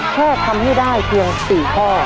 แค่ทำให้ได้เพียง๔ข้อ